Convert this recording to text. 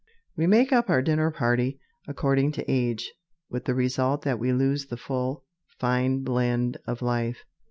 We make up our dinner party according to age, with the result that we lose the full, fine blend of life.